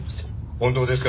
本当ですか？